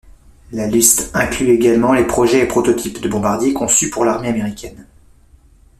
La liste inclut également les projets et prototypes de bombardier conçus pour l’armée américaine.